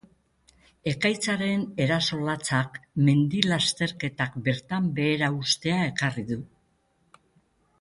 Ekaitzaren eraso latzak mendi lasterketak bertan behera uztea ekarri du.